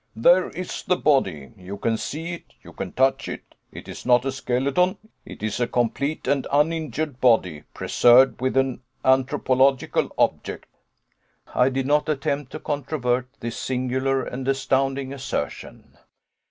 There is the body; you can see it; you can touch it. It is not a skeleton, it is a complete and uninjured body, preserved with an anthropological object." I did not attempt to controvert this singular and astounding assertion.